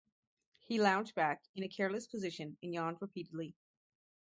He lounged back in a careless position and yawned repeatedly.